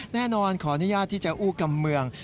ขออนุญาตที่จะอู้กำเมือง